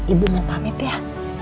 ibu mau pamit ya